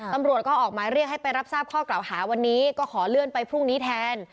ตำรวจก็ออกหมายเรียกให้ไปรับทราบข้อกล่าวหาวันนี้ก็ขอเลื่อนไปพรุ่งนี้แทน